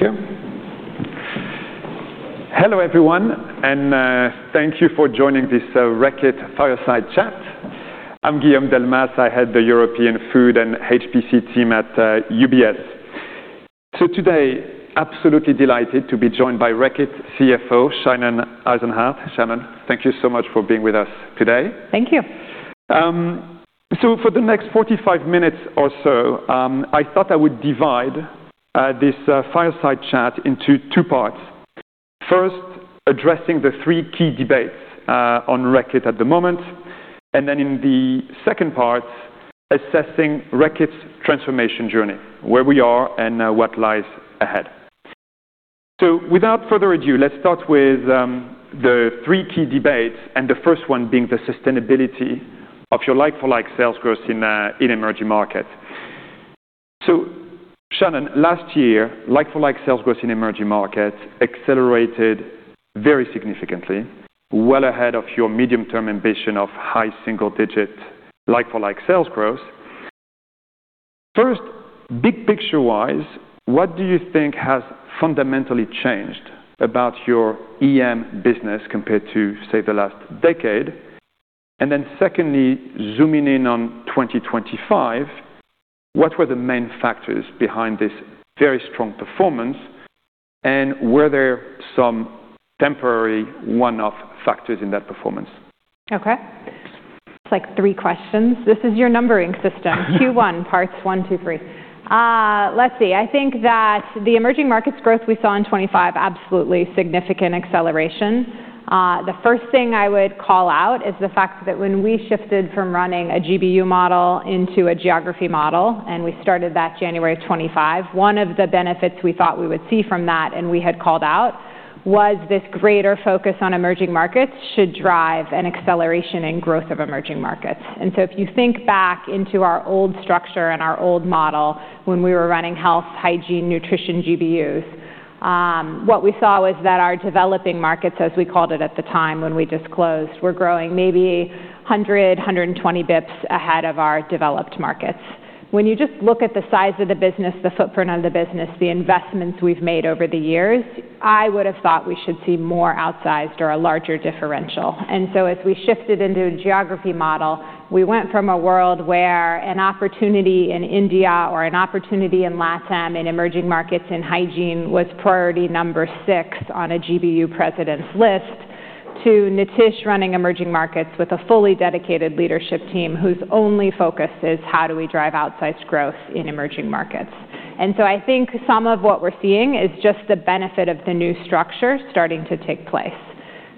There we go. Hello, everyone, and thank you for joining this Reckitt Fireside Chat. I'm Guillaume Delmas. I head the European Food and HPC team at UBS. Today, absolutely delighted to be joined by Reckitt CFO, Shannon Eisenhardt. Shannon, thank you so much for being with us today. Thank you. For the next 45 minutes or so, I thought I would divide this fireside chat into two parts. First, addressing the three key debates on Reckitt at the moment, and then in the second part, assessing Reckitt's transformation journey, where we are and what lies ahead. Without further ado, let's start with the three key debates and the first one being the sustainability of your like-for-like sales growth in emerging markets. Shannon, last year, like-for-like sales growth in emerging markets accelerated very significantly, well ahead of your medium-term ambition of high single digit like-for-like sales growth. First, big picture-wise, what do you think has fundamentally changed about your EM business compared to, say, the last decade? Secondly, zooming in on 2025, what were the main factors behind this very strong performance, and were there some temporary one-off factors in that performance? It's like three questions. This is your numbering system. Q1, parts one, two, three. Let's see. I think that the emerging markets growth we saw in 2025, absolutely significant acceleration. The first thing I would call out is the fact that when we shifted from running a GBU model into a geography model, we started that January of 2025, one of the benefits we thought we would see from that and we had called out was this greater focus on emerging markets should drive an acceleration in growth of emerging markets. If you think back into our old structure and our old model, when we were running health, hygiene, nutrition GBUs, what we saw was that our developing markets, as we called it at the time when we just closed, were growing maybe 100-120 basis points ahead of our developed markets. When you just look at the size of the business, the footprint of the business, the investments we've made over the years, I would have thought we should see more outsized or a larger differential. As we shifted into a geography model, we went from a world where an opportunity in India or an opportunity in LatAm in emerging markets in hygiene was priority number six on a GBU president's list to Nitish running emerging markets with a fully dedicated leadership team whose only focus is how do we drive outsized growth in emerging markets. I think some of what we're seeing is just the benefit of the new structure starting to take place.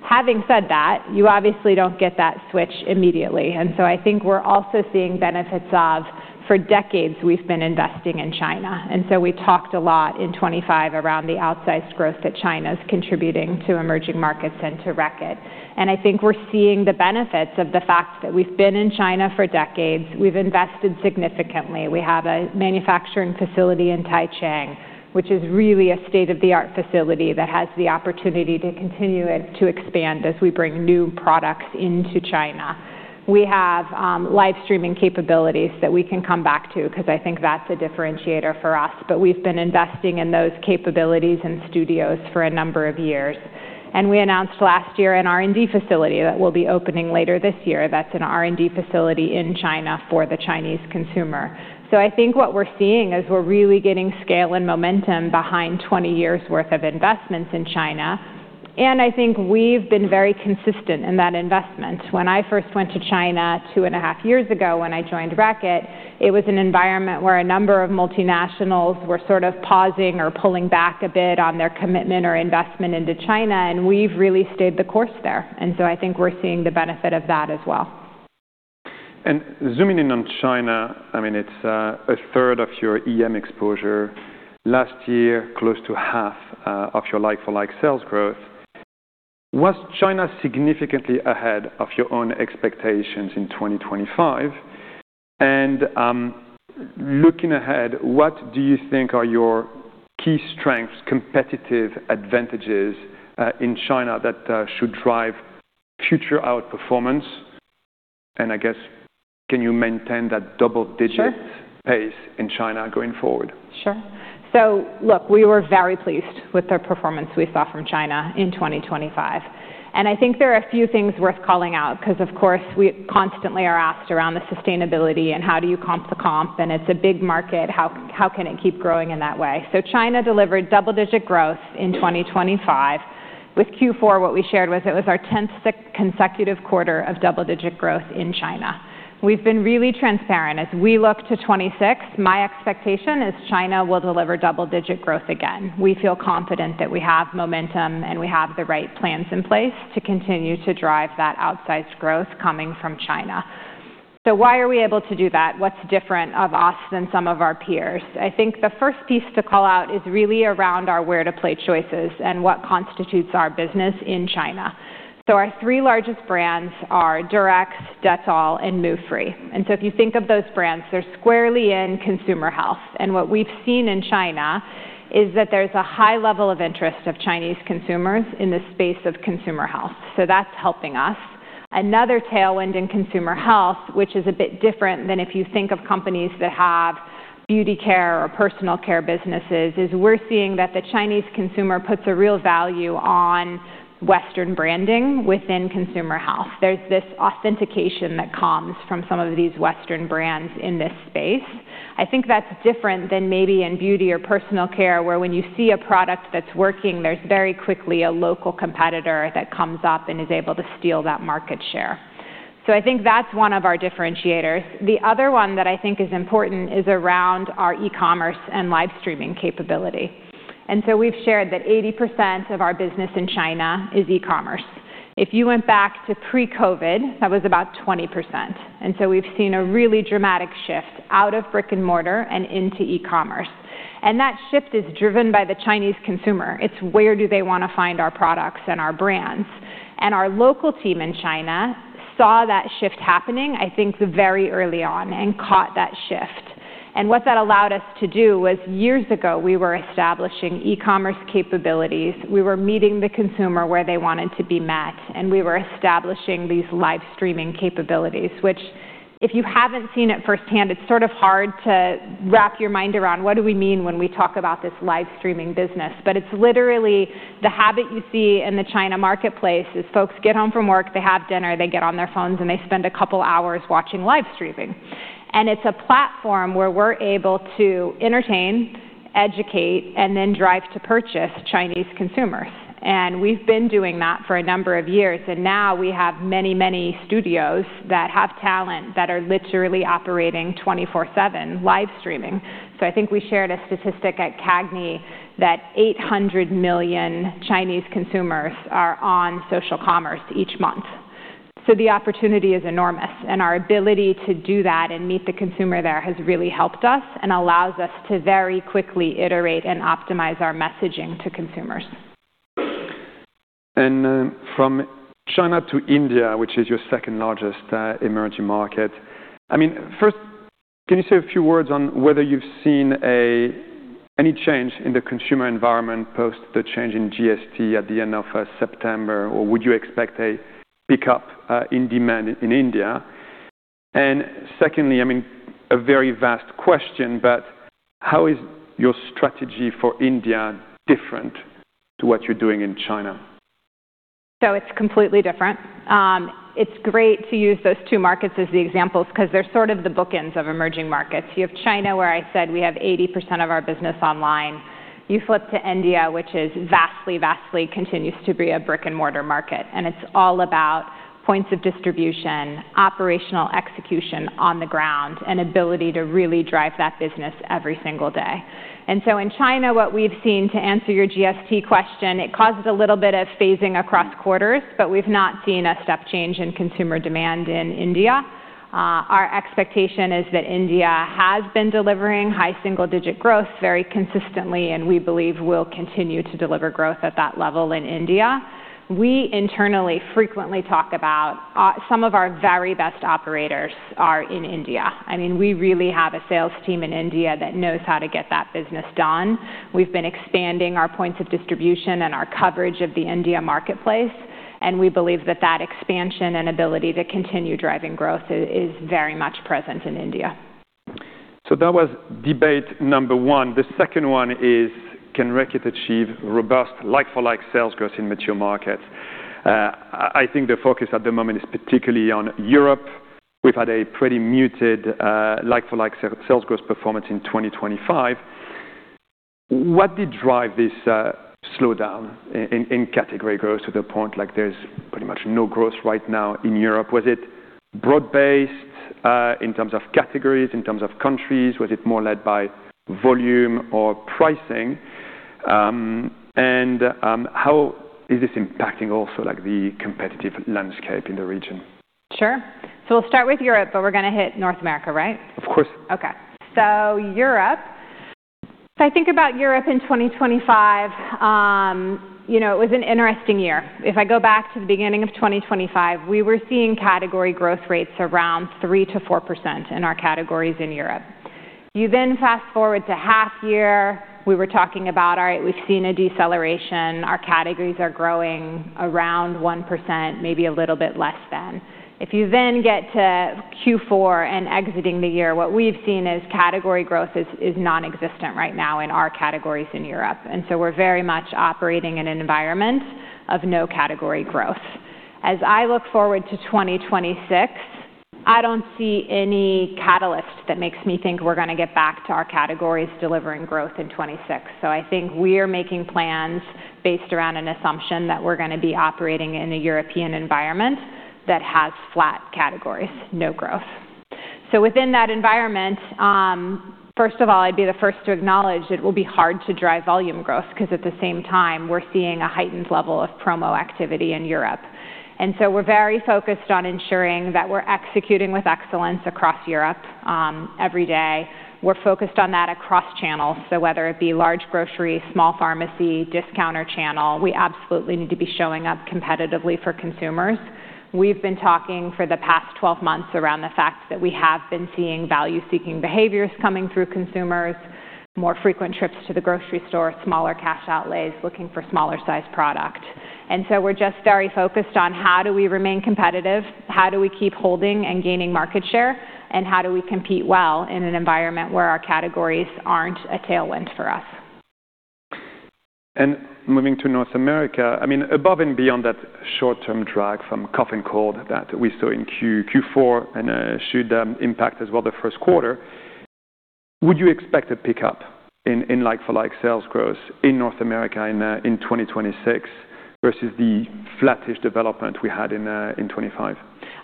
Having said that, you obviously don't get that switch immediately. I think we're also seeing benefits of, for decades, we've been investing in China. We talked a lot in 2025 around the outsized growth that China's contributing to emerging markets and to Reckitt. I think we're seeing the benefits of the fact that we've been in China for decades. We've invested significantly. We have a manufacturing facility in Taicang, which is really a state-of-the-art facility that has the opportunity to continue it to expand as we bring new products into China. We have live streaming capabilities that we can come back to because I think that's a differentiator for us. We've been investing in those capabilities and studios for a number of years. We announced last year an R&D facility that will be opening later this year. That's an R&D facility in China for the Chinese consumer. I think what we're seeing is we're really getting scale and momentum behind 20 years worth of investments in China. I think we've been very consistent in that investment. When I first went to China two and a half years ago, when I joined Reckitt, it was an environment where a number of multinationals were sort of pausing or pulling back a bit on their commitment or investment into China, and we've really stayed the course there. I think we're seeing the benefit of that as well. Zooming in on China, I mean, it's 1/3 of your EM exposure. Last year, close to half of your like-for-like sales growth. Was China significantly ahead of your own expectations in 2025? Looking ahead, what do you think are your key strengths, competitive advantages, in China that should drive future outperformance? I guess, can you maintain that double digit- Sure. Pace in China going forward? Sure. Look, we were very pleased with the performance we saw from China in 2025. I think there are a few things worth calling out because of course, we constantly are asked around the sustainability and how do you comp the comp, and it's a big market, how can it keep growing in that way? China delivered double-digit growth in 2025. With Q4, what we shared was it was our 10th consecutive quarter of double-digit growth in China. We've been really transparent. As we look to 2026, my expectation is China will deliver double-digit growth again. We feel confident that we have momentum, and we have the right plans in place to continue to drive that outsized growth coming from China. Why are we able to do that? What's different about us than some of our peers? I think the first piece to call out is really around our where to play choices and what constitutes our business in China. Our three largest brands are Durex, Dettol, and Move Free. If you think of those brands, they're squarely in consumer health. What we've seen in China is that there's a high level of interest of Chinese consumers in the space of consumer health. That's helping us. Another tailwind in consumer health, which is a bit different than if you think of companies that have beauty care or personal care businesses, is we're seeing that the Chinese consumer puts a real value on Western branding within consumer health. There's this authentication that comes from some of these Western brands in this space. I think that's different than maybe in beauty or personal care, where when you see a product that's working, there's very quickly a local competitor that comes up and is able to steal that market share. I think that's one of our differentiators. The other one that I think is important is around our e-commerce and live streaming capability. We've shared that 80% of our business in China is e-commerce. If you went back to pre-COVID, that was about 20%. We've seen a really dramatic shift out of brick-and-mortar and into e-commerce. That shift is driven by the Chinese consumer. It's where do they want to find our products and our brands. Our local team in China saw that shift happening, I think, very early on and caught that shift. What that allowed us to do was years ago, we were establishing e-commerce capabilities. We were meeting the consumer where they wanted to be met, and we were establishing these live streaming capabilities, which if you haven't seen it firsthand, it's sort of hard to wrap your mind around what do we mean when we talk about this live streaming business. It's literally the habit you see in the China marketplace is folks get home from work, they have dinner, they get on their phones, and they spend a couple hours watching live streaming. It's a platform where we're able to entertain, educate, and then drive to purchase Chinese consumers. We've been doing that for a number of years, and now we have many, many studios that have talent that are literally operating 24/7 live streaming. I think we shared a statistic at CAGNY that 800 million Chinese consumers are on social commerce each month. The opportunity is enormous, and our ability to do that and meet the consumer there has really helped us and allows us to very quickly iterate and optimize our messaging to consumers. From China to India, which is your second-largest emerging market. I mean, first, can you say a few words on whether you've seen any change in the consumer environment post the change in GST at the end of September? Or would you expect a pickup in demand in India? Secondly, I mean, a very vast question, but how is your strategy for India different to what you're doing in China? It's completely different. It's great to use those two markets as the examples because they're sort of the bookends of emerging markets. You have China, where I said we have 80% of our business online. You flip to India, which is vastly continues to be a brick-and-mortar market, and it's all about points of distribution, operational execution on the ground, and ability to really drive that business every single day. In China, what we've seen, to answer your GST question, it causes a little bit of phasing across quarters, but we've not seen a step change in consumer demand in India. Our expectation is that India has been delivering high single-digit growth very consistently, and we believe will continue to deliver growth at that level in India. We internally frequently talk about some of our very best operators are in India. I mean, we really have a sales team in India that knows how to get that business done. We've been expanding our points of distribution and our coverage of the India marketplace, and we believe that that expansion and ability to continue driving growth is very much present in India. That was debate number one. The second one is, can Reckitt achieve robust like-for-like sales growth in mature markets? I think the focus at the moment is particularly on Europe. We've had a pretty muted like-for-like sales growth performance in 2025. What did drive this slowdown in category growth to the point like there's pretty much no growth right now in Europe? Was it broad-based in terms of categories, in terms of countries? Was it more led by volume or pricing? How is this impacting also like the competitive landscape in the region? Sure. We'll start with Europe, but we're gonna hit North America, right? Of course. Okay. Europe. I think about Europe in 2025, you know, it was an interesting year. If I go back to the beginning of 2025, we were seeing category growth rates around 3%-4% in our categories in Europe. You then fast-forward to half year, we were talking about, all right, we've seen a deceleration. Our categories are growing around 1%, maybe a little bit less than. If you then get to Q4 and exiting the year, what we've seen is category growth is nonexistent right now in our categories in Europe. We're very much operating in an environment of no category growth. As I look forward to 2026, I don't see any catalyst that makes me think we're gonna get back to our categories delivering growth in 2026. I think we're making plans based around an assumption that we're gonna be operating in a European environment that has flat categories, no growth. Within that environment, first of all, I'd be the first to acknowledge it will be hard to drive volume growth because at the same time, we're seeing a heightened level of promo activity in Europe. We're very focused on ensuring that we're executing with excellence across Europe, every day. We're focused on that across channels. Whether it be large grocery, small pharmacy, discounter channel, we absolutely need to be showing up competitively for consumers. We've been talking for the past twelve months around the fact that we have been seeing value-seeking behaviors coming through consumers, more frequent trips to the grocery store, smaller cash outlays, looking for smaller-sized product. We're just very focused on how do we remain competitive, how do we keep holding and gaining market share, and how do we compete well in an environment where our categories aren't a tailwind for us? Moving to North America, I mean, above and beyond that short-term drag from cough and cold that we saw in Q4 and should impact as well the first quarter, would you expect a pickup in like-for-like sales growth in North America in 2026 versus the flattish development we had in 2025?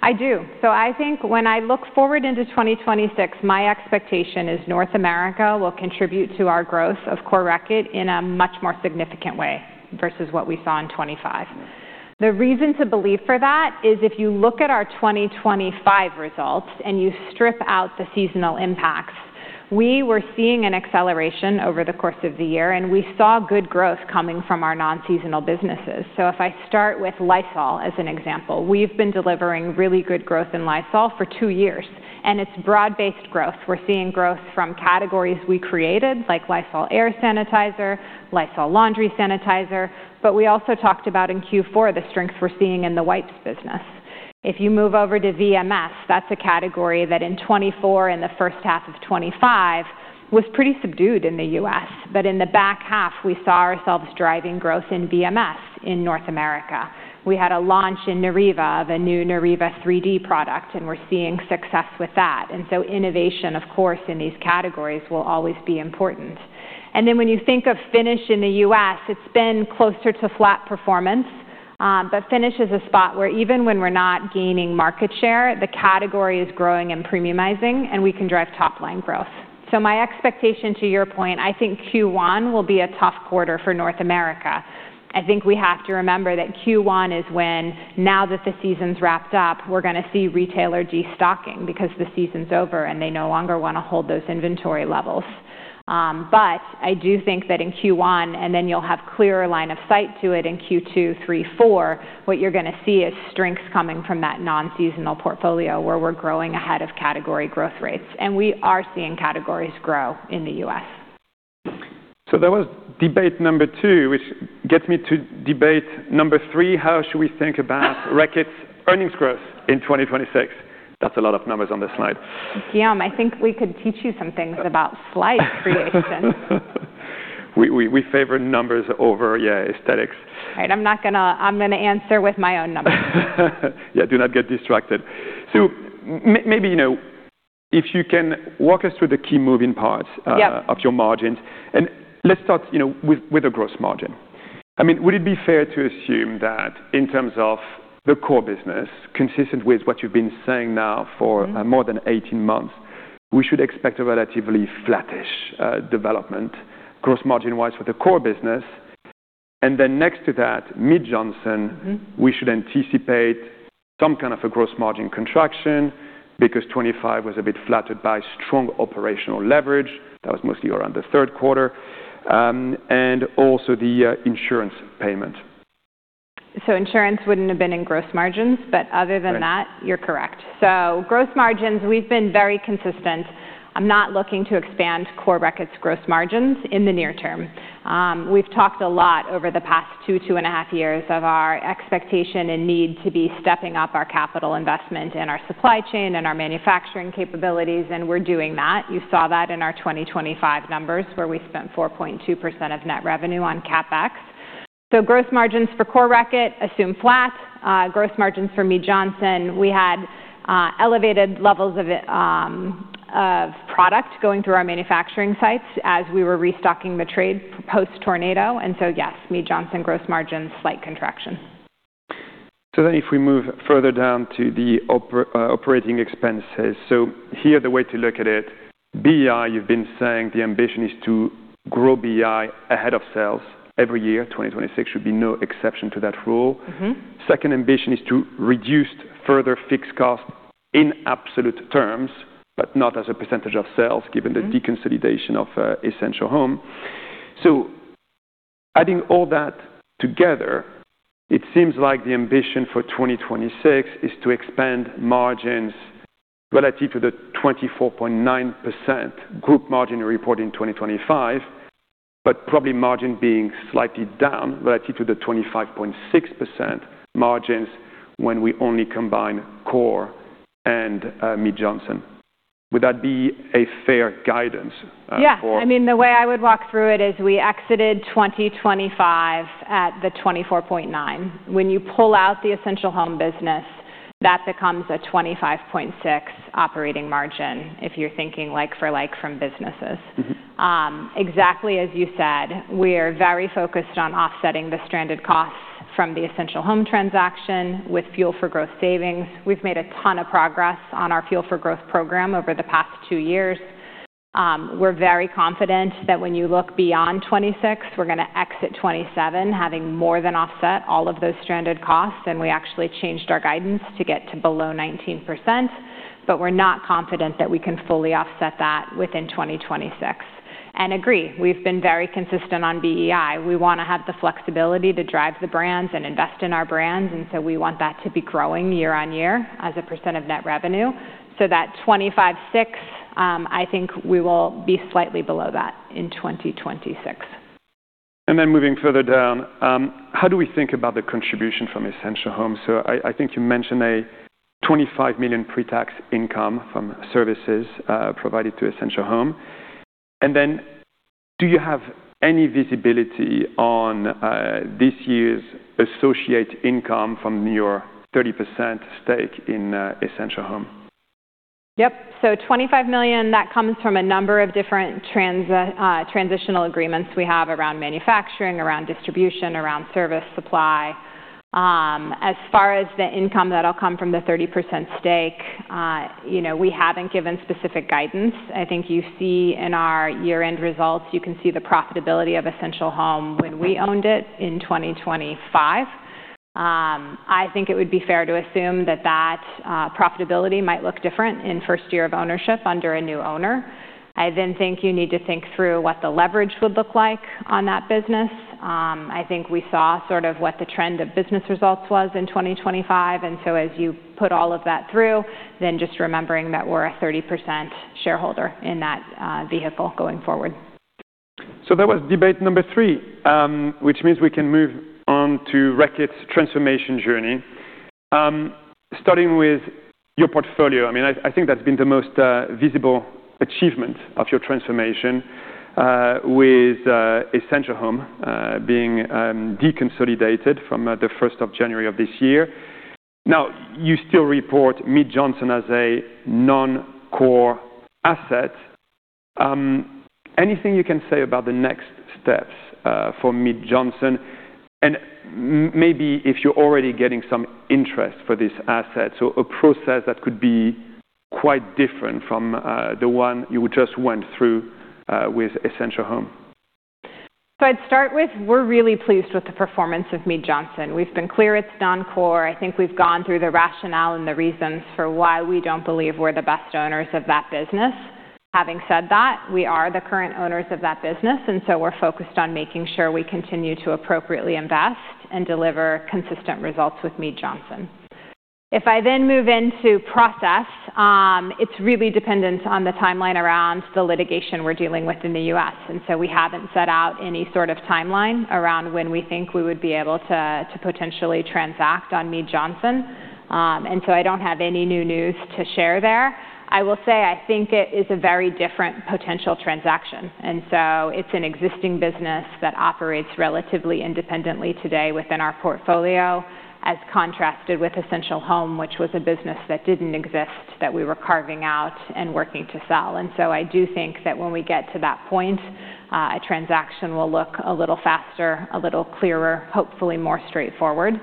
I do. I think when I look forward into 2026, my expectation is North America will contribute to our growth of core Reckitt in a much more significant way versus what we saw in 2025. The reason to believe for that is if you look at our 2025 results and you strip out the seasonal impacts, we were seeing an acceleration over the course of the year, and we saw good growth coming from our non-seasonal businesses. If I start with Lysol as an example, we've been delivering really good growth in Lysol for two years, and it's broad-based growth. We're seeing growth from categories we created, like Lysol Air Sanitizer, Lysol Laundry Sanitizer, but we also talked about in Q4 the strength we're seeing in the wipes business. If you move over to VMS, that's a category that in 2024 and the first half of 2025 was pretty subdued in the U.S. In the back half, we saw ourselves driving growth in VMS in North America. We had a launch in Neuriva of a new Neuriva 3D product, and we're seeing success with that. Innovation, of course, in these categories will always be important. When you think of Finish in the U.S., it's been closer to flat performance, but Finish is a spot where even when we're not gaining market share, the category is growing and premiumizing, and we can drive top-line growth. My expectation, to your point, I think Q1 will be a tough quarter for North America. I think we have to remember that Q1 is when, now that the season's wrapped up, we're going to see retailer destocking because the season's over and they no longer want to hold those inventory levels. I do think that in Q1, and then you'll have clearer line of sight to it in Q2, Q3, Q4, what you're going to see is strength coming from that non-seasonal portfolio where we're growing ahead of category growth rates. We are seeing categories grow in the U.S. That was debate number two, which gets me to debate number three. How should we think about Reckitt's earnings growth in 2026? That's a lot of numbers on this slide. Guillaume, I think we could teach you some things about slide creation. We favor numbers over, yeah, aesthetics. Right. I'm gonna answer with my own numbers. Yeah. Do not get distracted. Maybe, you know, if you can walk us through the key moving parts. Yep. Of your margins. Let's start, you know, with the gross margin. I mean, would it be fair to assume that in terms of the core business, consistent with what you've been saying now for more than 18 months, we should expect a relatively flattish development gross margin-wise for the core business. Then next to that, Mead Johnson, we should anticipate some kind of a gross margin contraction because 2025 was a bit flattered by strong operational leverage. That was mostly around the third quarter, and also the insurance payment. Insurance wouldn't have been in gross margins, but other than that, you're correct. Gross margins, we've been very consistent. I'm not looking to expand core Reckitt's gross margins in the near term. We've talked a lot over the past two and a half years of our expectation and need to be stepping up our capital investment in our supply chain and our manufacturing capabilities, and we're doing that. You saw that in our 2025 numbers, where we spent 4.2% of net revenue on CapEx. Gross margins for core Reckitt assume flat. Gross margins for Mead Johnson, we had elevated levels of it, of product going through our manufacturing sites as we were restocking the trade post-tornado. Yes, Mead Johnson gross margin, slight contraction. If we move further down to the operating expenses. Here, the way to look at it, BEI, you've been saying the ambition is to grow BEI ahead of sales every year. 2026 should be no exception to that rule. Mm-hmm. Second ambition is to reduce further fixed costs in absolute terms, but not as a percentage of sales, given the deconsolidation of Essential Home. Adding all that together, it seems like the ambition for 2026 is to expand margins relative to the 24.9% group margin reported in 2025, but probably margin being slightly down relative to the 25.6% margins when we only combine core and Mead Johnson. Would that be a fair guidance? Yeah. I mean, the way I would walk through it is we exited 2025 at the 24.9%. When you pull out the Essential Home business, that becomes a 25.6% operating margin if you're thinking like-for-like from businesses. Mm-hmm. Exactly as you said, we are very focused on offsetting the stranded costs from the Essential Home transaction with Fuel for Growth savings. We've made a ton of progress on our Fuel for Growth program over the past two years. We're very confident that when you look beyond 2026, we're gonna exit 2027 having more than offset all of those stranded costs, and we actually changed our guidance to get to below 19%, but we're not confident that we can fully offset that within 2026. Agree, we've been very consistent on BEI. We wanna have the flexibility to drive the brands and invest in our brands, and so we want that to be growing year on year as a percent of net revenue. That 25.6%, I think we will be slightly below that in 2026. Moving further down, how do we think about the contribution from Essential Home? I think you mentioned 25 million pre-tax income from services provided to Essential Home. Do you have any visibility on this year's associate income from your 30% stake in Essential Home? Yep. 25 million, that comes from a number of different transitional agreements we have around manufacturing, around distribution, around service supply. As far as the income that'll come from the 30% stake, you know, we haven't given specific guidance. I think you see in our year-end results, you can see the profitability of Essential Home when we owned it in 2025. I think it would be fair to assume that profitability might look different in first year of ownership under a new owner. I think you need to think through what the leverage would look like on that business. I think we saw sort of what the trend of business results was in 2025, and so as you put all of that through, then just remembering that we're a 30% shareholder in that vehicle going forward. That was debate number three, which means we can move on to Reckitt's transformation journey. Starting with your portfolio, I mean, I think that's been the most visible achievement of your transformation, with Essential Home being deconsolidated from the 1st of January of this year. Now, you still report Mead Johnson as a non-core asset. Anything you can say about the next steps for Mead Johnson, and maybe if you're already getting some interest for this asset, so a process that could be quite different from the one you just went through with Essential Home. I'd start with we're really pleased with the performance of Mead Johnson. We've been clear it's non-core. I think we've gone through the rationale and the reasons for why we don't believe we're the best owners of that business. Having said that, we are the current owners of that business, and so we're focused on making sure we continue to appropriately invest and deliver consistent results with Mead Johnson. If I then move into process, it's really dependent on the timeline around the litigation we're dealing with in the U.S. We haven't set out any sort of timeline around when we think we would be able to to potentially transact on Mead Johnson. I don't have any new news to share there. I will say I think it is a very different potential transaction. It's an existing business that operates relatively independently today within our portfolio, as contrasted with Essential Home, which was a business that didn't exist, that we were carving out and working to sell. I do think that when we get to that point, a transaction will look a little faster, a little clearer, hopefully more straightforward.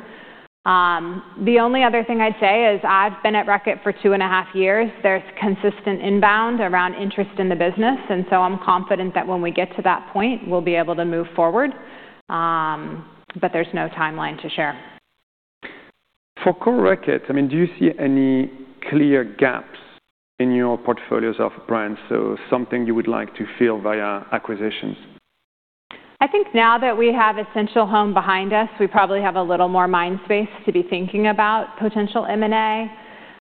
The only other thing I'd say is I've been at Reckitt for two and a half years. There's consistent inbound around interest in the business, and so I'm confident that when we get to that point, we'll be able to move forward, but there's no timeline to share. For Core Reckitt, I mean, do you see any clear gaps in your portfolios of brands? Something you would like to fill via acquisitions. I think now that we have Essential Home behind us, we probably have a little more mind space to be thinking about potential M&A.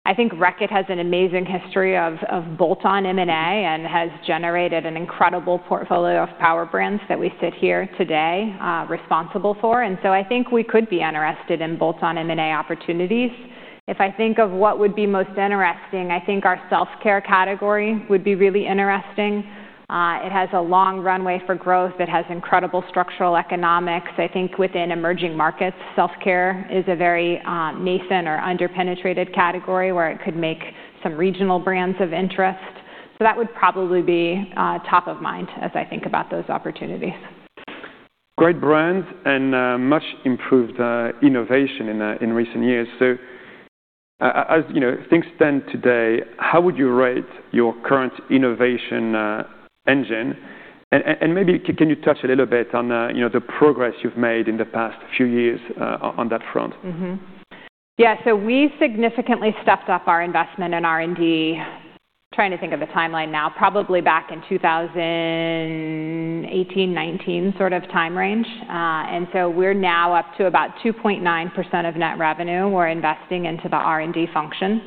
I think Reckitt has an amazing history of bolt-on M&A and has generated an incredible portfolio of power brands that we sit here today responsible for. I think we could be interested in bolt-on M&A opportunities. If I think of what would be most interesting, I think our self-care category would be really interesting. It has a long runway for growth. It has incredible structural economics. I think within emerging markets, self-care is a very nascent or under-penetrated category where it could make some regional brands of interest. That would probably be top of mind as I think about those opportunities. Great brand and much improved innovation in recent years. As you know, as things stand today, how would you rate your current innovation engine? Maybe, can you touch a little bit on, you know, the progress you've made in the past few years on that front? We significantly stepped up our investment in R&D, trying to think of the timeline now, probably back in 2018, 2019 sort of time range. We're now up to about 2.9% of net revenue we're investing into the R&D function.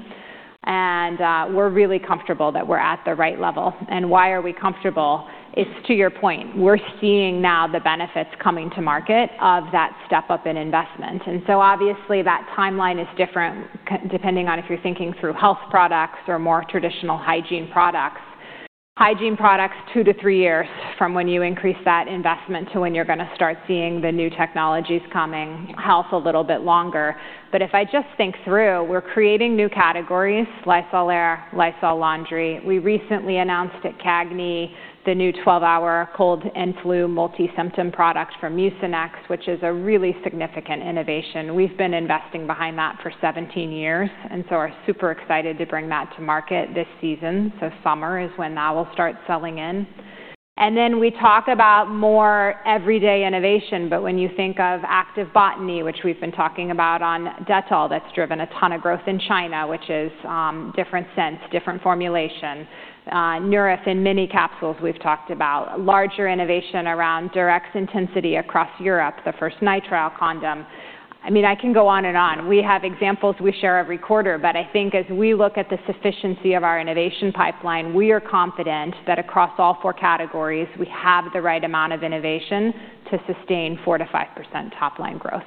We're really comfortable that we're at the right level. Why are we comfortable? It's to your point. We're seeing now the benefits coming to market of that step-up in investment. Obviously that timeline is different depending on if you're thinking through health products or more traditional hygiene products. Hygiene products, two to three years from when you increase that investment to when you're gonna start seeing the new technologies coming. Health, a little bit longer. If I just think through, we're creating new categories, Lysol Air, Lysol Laundry. We recently announced at CAGNY the new 12-hour cold and flu multi-symptom product from Mucinex, which is a really significant innovation. We've been investing behind that for 17 years, and so are super excited to bring that to market this season, so summer is when that will start selling in. Then we talk about more everyday innovation, but when you think of Activ-Botany, which we've been talking about on Dettol, that's driven a ton of growth in China, which is different scents, different formulation. Neuriva and mini capsules we've talked about. Larger innovation around Durex Intensity across Europe, the first nitrile condom. I mean, I can go on and on. We have examples we share every quarter, but I think as we look at the sufficiency of our innovation pipeline, we are confident that across all four categories, we have the right amount of innovation to sustain 4%-5% top line growth.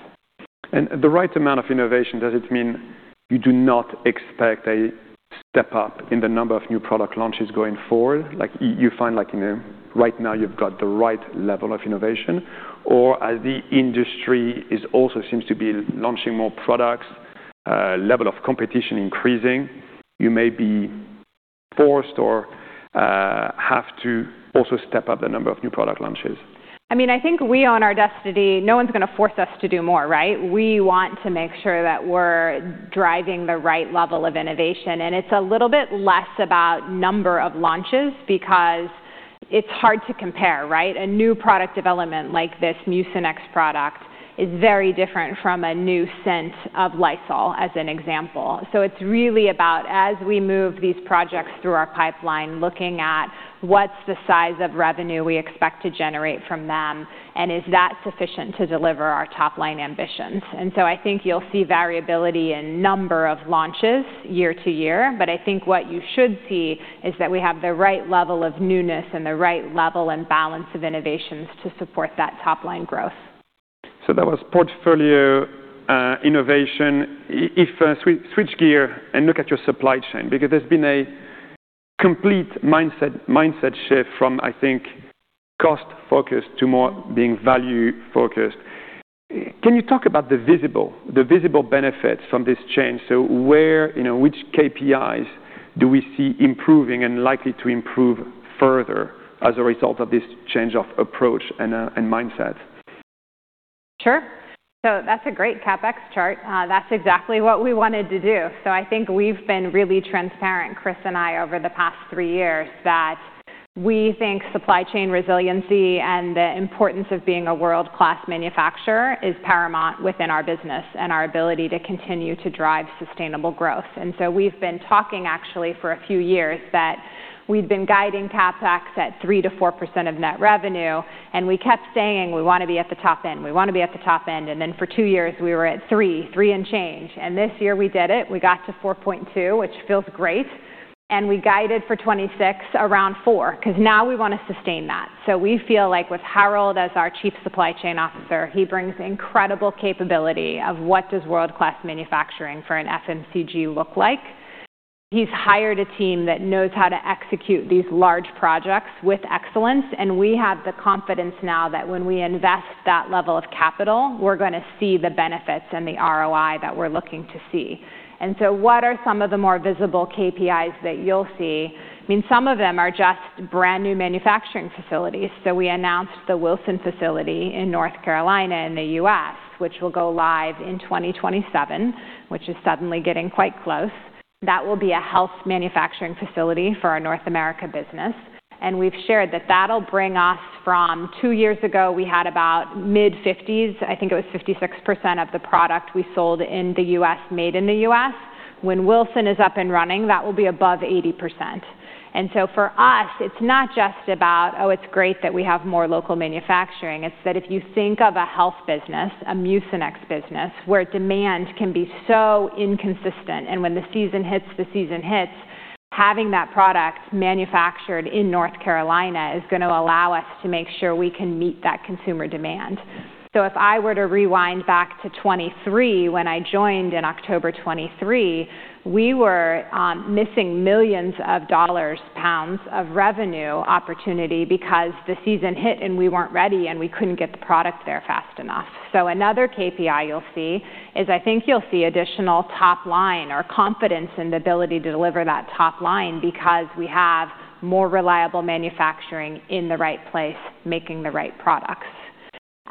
The right amount of innovation, does it mean you do not expect a step up in the number of new product launches going forward? Like you find like, you know, right now you've got the right level of innovation or as the industry is also seems to be launching more products, level of competition increasing, you may be forced or have to also step up the number of new product launches. I mean, I think we own our destiny. No one's gonna force us to do more, right? We want to make sure that we're driving the right level of innovation, and it's a little bit less about number of launches because it's hard to compare, right? A new product development like this Mucinex product is very different from a new scent of Lysol, as an example. It's really about as we move these projects through our pipeline, looking at what's the size of revenue we expect to generate from them, and is that sufficient to deliver our top-line ambitions. I think you'll see variability in number of launches year to year, but I think what you should see is that we have the right level of newness and the right level and balance of innovations to support that top-line growth. That was portfolio innovation. Switch gear and look at your supply chain, because there's been a complete mindset shift from, I think, cost-focused to more being value-focused. Can you talk about the visible benefits from this change? Where, you know, which KPIs do we see improving and likely to improve further as a result of this change of approach and mindset? Sure. That's a great CapEx chart. That's exactly what we wanted to do. I think we've been really transparent, Kris and I, over the past three years, that we think supply chain resiliency and the importance of being a world-class manufacturer is paramount within our business and our ability to continue to drive sustainable growth. We've been talking actually for a few years that we've been guiding CapEx at 3%-4% of net revenue, and we kept saying, "We wanna be at the top end. We wanna be at the top end." Then for two years, we were at three and change. This year we did it. We got to 4.2%, which feels great. We guided for 2026 around 4% 'cause now we wanna sustain that. We feel like with Harald as our Chief Supply Officer, he brings incredible capability of what does world-class manufacturing for an FMCG look like. He's hired a team that knows how to execute these large projects with excellence, and we have the confidence now that when we invest that level of capital, we're gonna see the benefits and the ROI that we're looking to see. What are some of the more visible KPIs that you'll see? I mean, some of them are just brand-new manufacturing facilities. We announced the Wilson facility in North Carolina in the U.S., which will go live in 2027, which is suddenly getting quite close. That will be a health manufacturing facility for our North America business. We've shared that that'll bring us from two years ago, we had about mid-50s. I think it was 56% of the product we sold in the U.S. made in the U.S. When Wilson is up and running, that will be above 80%. For us, it's not just about, oh, it's great that we have more local manufacturing. It's that if you think of a health business, a Mucinex business, where demand can be so inconsistent, and when the season hits, the season hits, having that product manufactured in North Carolina is gonna allow us to make sure we can meet that consumer demand. If I were to rewind back to 2023, when I joined in October 2023, we were missing millions of GBP of revenue opportunity because the season hit, and we weren't ready, and we couldn't get the product there fast enough. Another KPI you'll see is I think you'll see additional top line or confidence in the ability to deliver that top line because we have more reliable manufacturing in the right place, making the right products.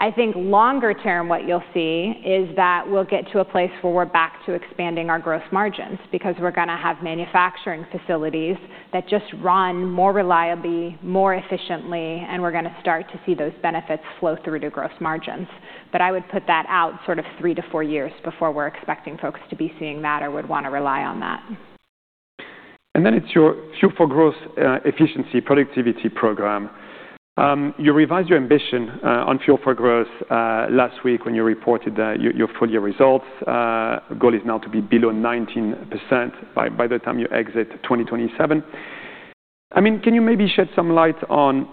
I think longer term, what you'll see is that we'll get to a place where we're back to expanding our gross margins because we're gonna have manufacturing facilities that just run more reliably, more efficiently, and we're gonna start to see those benefits flow through to gross margins. I would put that out sort of three to four years before we're expecting folks to be seeing that or would wanna rely on that. Then it's your Fuel for Growth efficiency productivity program. You revised your ambition on Fuel for Growth last week when you reported your full year results. Goal is now to be below 19% by the time you exit 2027. I mean, can you maybe shed some light on,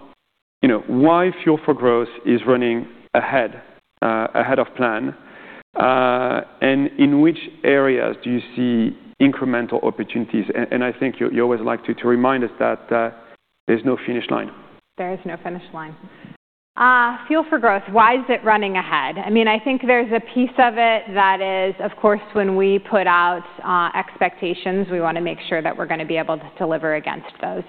you know, why Fuel for Growth is running ahead of plan? In which areas do you see incremental opportunities? I think you always like to remind us that there's no finish line. There is no finish line. Fuel for Growth, why is it running ahead? I mean, I think there's a piece of it that is, of course, when we put out expectations, we want to make sure that we're going to be able to deliver against those.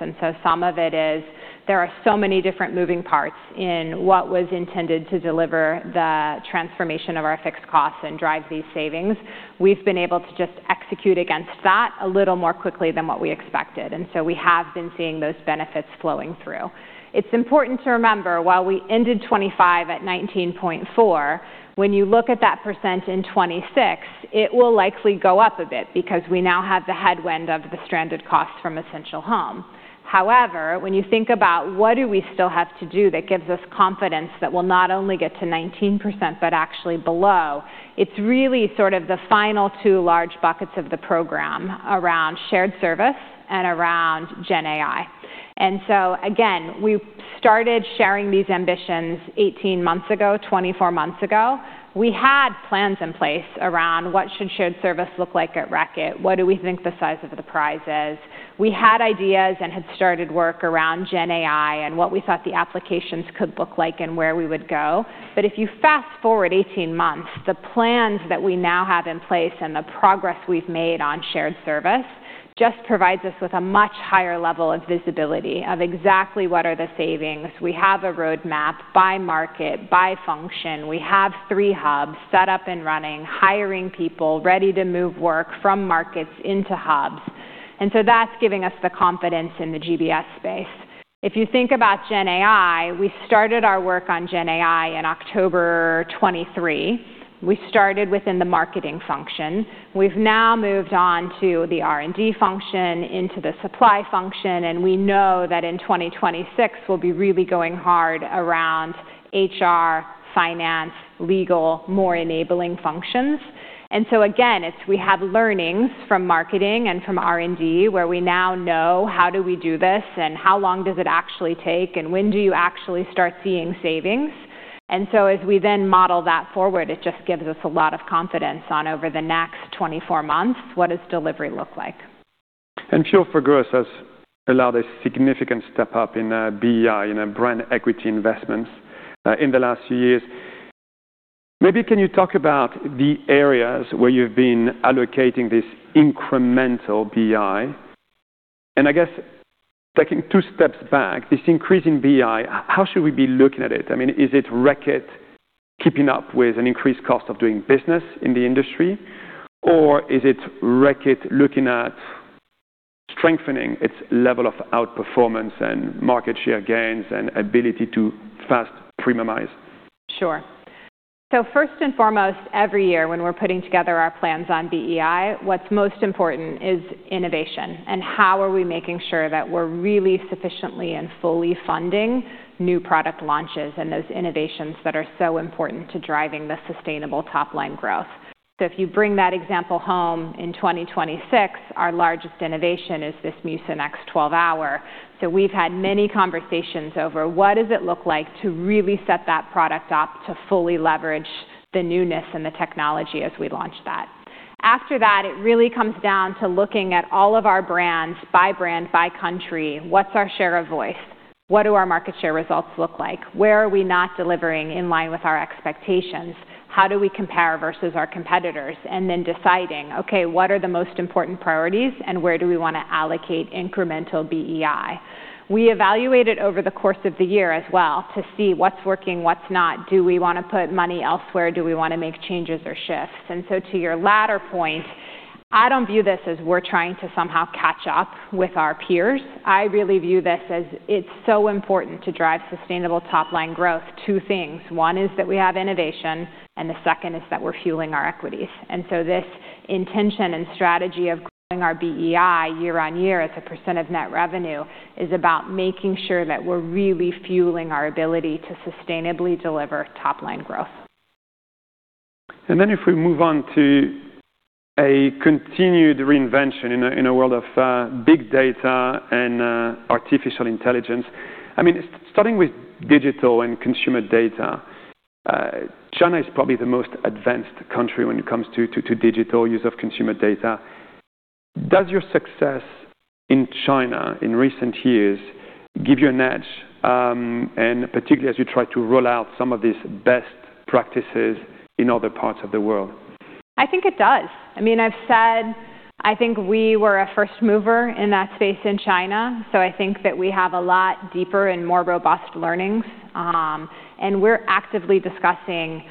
Some of it is there are so many different moving parts in what was intended to deliver the transformation of our fixed costs and drive these savings. We've been able to just execute against that a little more quickly than what we expected. We have been seeing those benefits flowing through. It's important to remember while we ended 2025 at 19.4%, when you look at that percent in 2026, it will likely go up a bit because we now have the headwind of the stranded costs from Essential Home. However, when you think about what do we still have to do that gives us confidence that we'll not only get to 19% but actually below, it's really sort of the final two large buckets of the program around shared service and around GenAI. Again, we started sharing these ambitions 18 months ago, 24 months ago. We had plans in place around what should shared service look like at Reckitt? What do we think the size of the prize is? We had ideas and had started work around GenAI and what we thought the applications could look like and where we would go. If you fast-forward 18 months, the plans that we now have in place and the progress we've made on shared service just provides us with a much higher level of visibility of exactly what are the savings. We have a roadmap by market, by function. We have three hubs set up and running, hiring people, ready to move work from markets into hubs. That's giving us the confidence in the GBS space. If you think about GenAI, we started our work on GenAI in October 2023. We started within the marketing function. We've now moved on to the R&D function, into the supply function, and we know that in 2026, we'll be really going hard around HR, finance, legal, more enabling functions. Again, it's we have learnings from marketing and from R&D where we now know how do we do this and how long does it actually take, and when do you actually start seeing savings. As we then model that forward, it just gives us a lot of confidence on over the next 24 months, what does delivery look like? Fuel for Growth has allowed a significant step-up in BEI, in brand equity investments in the last few years. Maybe can you talk about the areas where you've been allocating this incremental BEI? I guess taking two steps back, this increase in BEI, how should we be looking at it? I mean, is it Reckitt keeping up with an increased cost of doing business in the industry? Or is it Reckitt looking at strengthening its level of outperformance and market share gains and ability to fast premiumize? Sure. First and foremost, every year when we're putting together our plans on BEI, what's most important is innovation and how are we making sure that we're really sufficiently and fully funding new product launches and those innovations that are so important to driving the sustainable top-line growth. If you bring that example home in 2026, our largest innovation is this Mucinex 12 Hour. We've had many conversations over what does it look like to really set that product up to fully leverage the newness and the technology as we launch that. After that, it really comes down to looking at all of our brands by brand, by country. What's our share of voice? What do our market share results look like? Where are we not delivering in line with our expectations? How do we compare versus our competitors? Deciding, okay, what are the most important priorities, and where do we want to allocate incremental BEI? We evaluate it over the course of the year as well to see what's working, what's not. Do we want to put money elsewhere? Do we want to make changes or shifts? To your latter point, I don't view this as we're trying to somehow catch up with our peers. I really view this as it's so important to drive sustainable top-line growth, two things. One is that we have innovation, and the second is that we're fueling our equities. This intention and strategy of growing our BEI year-on-year as a percent of net revenue is about making sure that we're really fueling our ability to sustainably deliver top-line growth. If we move on to a continued reinvention in a world of big data and artificial intelligence. I mean, starting with digital and consumer data, China is probably the most advanced country when it comes to digital use of consumer data. Does your success in China in recent years give you an edge, and particularly as you try to roll out some of these best practices in other parts of the world? I think it does. I mean, I've said I think we were a first mover in that space in China, so I think that we have a lot deeper and more robust learnings. We're actively discussing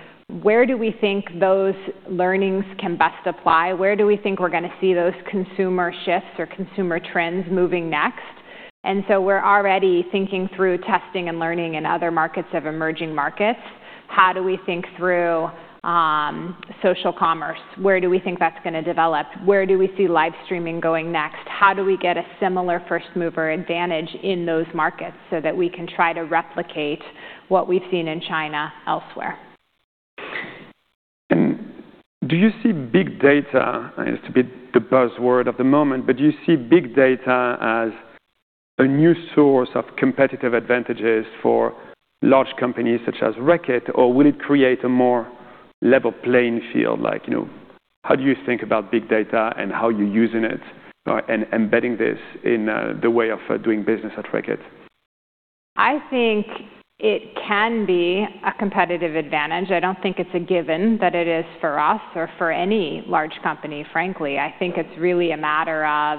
where do we think those learnings can best apply? Where do we think we're gonna see those consumer shifts or consumer trends moving next? We're already thinking through testing and learning in other markets of emerging markets. How do we think through social commerce? Where do we think that's gonna develop? Where do we see live streaming going next? How do we get a similar first-mover advantage in those markets so that we can try to replicate what we've seen in China elsewhere? Do you see big data, it's a bit the buzzword of the moment, but do you see big data as a new source of competitive advantages for large companies such as Reckitt, or will it create a more level playing field like, you know. How do you think about big data and how you're using it, and embedding this in, the way of, doing business at Reckitt? I think it can be a competitive advantage. I don't think it's a given that it is for us or for any large company, frankly. I think it's really a matter of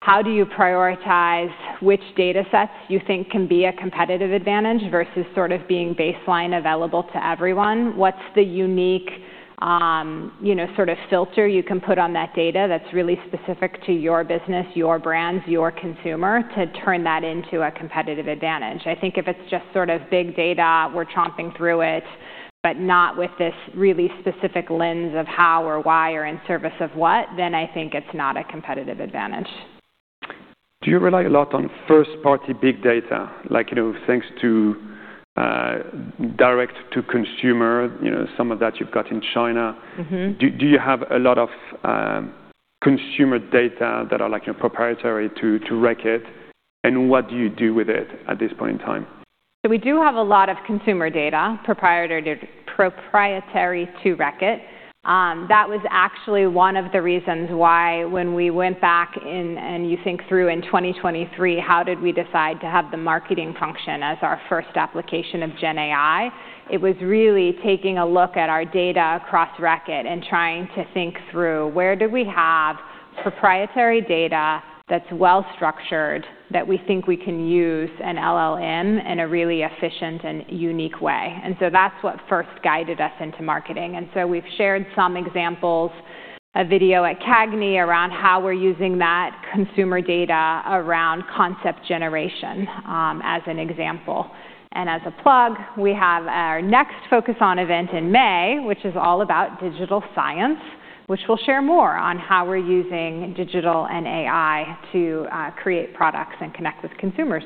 how do you prioritize which datasets you think can be a competitive advantage versus sort of being baseline available to everyone. What's the unique, you know, sort of filter you can put on that data that's really specific to your business, your brands, your consumer, to turn that into a competitive advantage. I think if it's just sort of big data, we're chomping through it, but not with this really specific lens of how or why or in service of what, then I think it's not a competitive advantage. Do you rely a lot on first-party big data? Like, you know, thanks to, direct to consumer, you know, some of that you've got in China. Mm-hmm. Do you have a lot of consumer data that are like, you know, proprietary to Reckitt? What do you do with it at this point in time? We do have a lot of consumer data, proprietary to Reckitt. That was actually one of the reasons why when we went back and you think through in 2023, how did we decide to have the marketing function as our first application of GenAI? It was really taking a look at our data across Reckitt and trying to think through where do we have proprietary data that's well structured that we think we can use an LLM in a really efficient and unique way. That's what first guided us into marketing. We've shared some examples, a video at CAGNY around how we're using that consumer data around concept generation, as an example. As a plug, we have our next Focus On event in May, which is all about digital science, which we'll share more on how we're using digital and AI to create products and connect with consumers.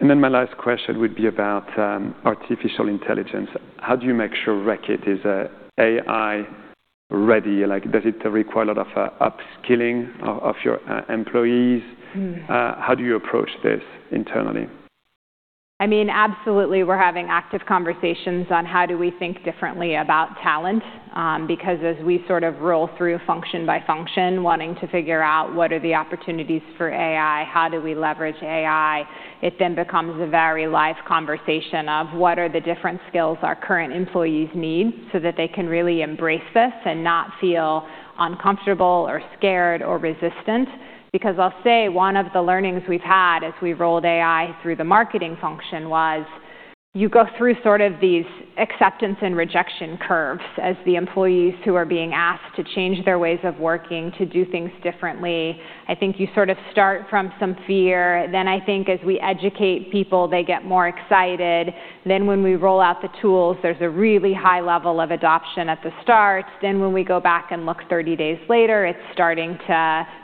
My last question would be about artificial intelligence. How do you make sure Reckitt is AI ready? Like, does it require a lot of upskilling of your employees? Mm. How do you approach this internally? I mean, absolutely we're having active conversations on how do we think differently about talent, because as we sort of roll through function by function, wanting to figure out what are the opportunities for AI, how do we leverage AI? It then becomes a very live conversation of what are the different skills our current employees need so that they can really embrace this and not feel uncomfortable or scared or resistant. Because I'll say one of the learnings we've had as we've rolled AI through the marketing function was you go through sort of these acceptance and rejection curves as the employees who are being asked to change their ways of working to do things differently. I think you sort of start from some fear. I think as we educate people, they get more excited. When we roll out the tools, there's a really high level of adoption at the start. When we go back and look 30 days later,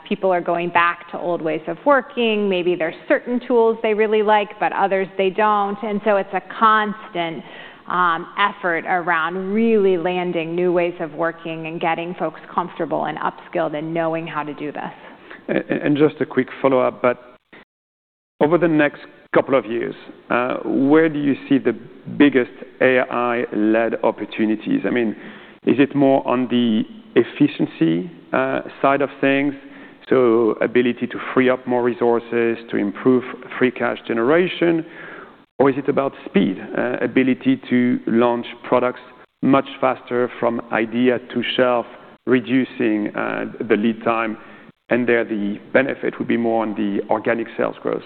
people are going back to old ways of working. Maybe there's certain tools they really like, but others they don't. It's a constant effort around really landing new ways of working and getting folks comfortable and upskilled and knowing how to do this. Just a quick follow-up, but over the next couple of years, where do you see the biggest AI-led opportunities? I mean, is it more on the efficiency side of things, so ability to free up more resources, to improve free cash generation? Or is it about speed, ability to launch products much faster from idea to shelf, reducing the lead time, and there the benefit would be more on the organic sales growth?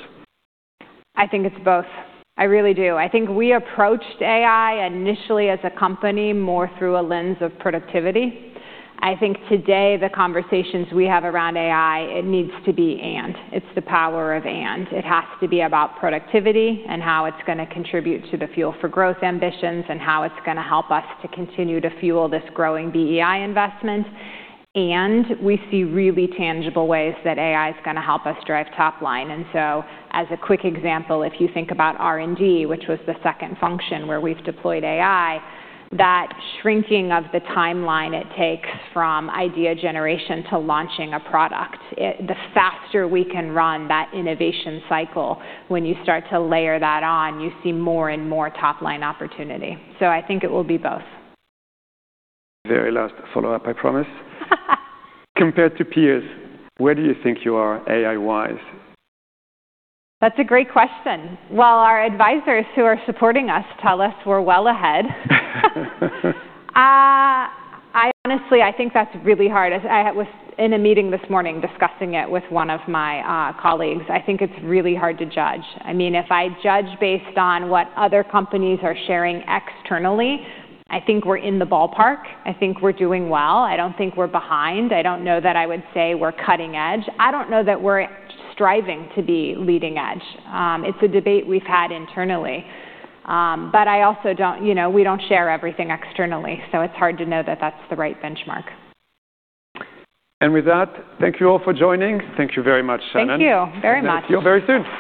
I think it's both. I really do. I think we approached AI initially as a company more through a lens of productivity. I think today the conversations we have around AI, it needs to be and. It's the power of and. It has to be about productivity and how it's gonna contribute to the Fuel for Growth ambitions and how it's gonna help us to continue to fuel this growing BEI investment, and we see really tangible ways that AI is gonna help us drive top line. As a quick example, if you think about R&D, which was the second function where we've deployed AI, that shrinking of the timeline it takes from idea generation to launching a product, the faster we can run that innovation cycle, when you start to layer that on, you see more and more top-line opportunity. I think it will be both. Very last follow-up, I promise. Compared to peers, where do you think you are AI-wise? That's a great question. Well, our advisors who are supporting us tell us we're well ahead. I honestly, I think that's really hard. I was in a meeting this morning discussing it with one of my colleagues. I think it's really hard to judge. I mean, if I judge based on what other companies are sharing externally, I think we're in the ballpark. I think we're doing well. I don't think we're behind. I don't know that I would say we're cutting edge. I don't know that we're striving to be leading edge. It's a debate we've had internally. But I also don't. You know, we don't share everything externally, so it's hard to know that that's the right benchmark. With that, thank you all for joining. Thank you very much, Shannon. Thank you very much. [I'll see you] very soon.